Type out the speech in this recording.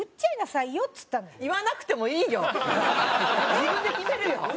自分で決めるよ！